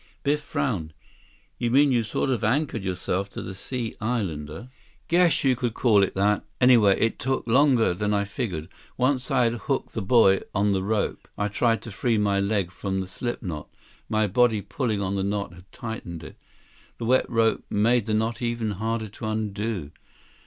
Biff frowned. "You mean you sort of anchored yourself to the Sea Islander?" 150 "Guess you could call it that. Anyway, it took longer than I figured. Once I had hooked the buoy on the rope, I tried to free my leg from the slip knot. My body pulling on the knot had tightened it. The wet rope made the knot even harder to undo.